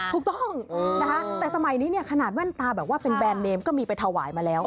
ถูกต้องนะคะแต่สมัยนี้เนี่ยขนาดแว่นตาแบบว่าเป็นแบรนดเนมก็มีไปถวายมาแล้ว